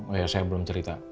oh ya saya belum cerita